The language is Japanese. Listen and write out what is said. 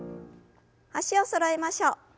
脚をそろえましょう。